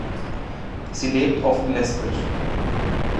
Sie lebt offen lesbisch.